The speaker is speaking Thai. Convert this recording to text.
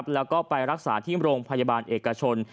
แล้วก็ไปรักษาที่โรงพยาบาลเอกชน